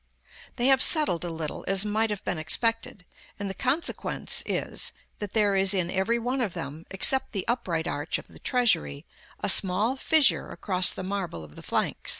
They have settled a little, as might have been expected, and the consequence is, that there is in every one of them, except the upright arch of the treasury, a small fissure across the marble of the flanks.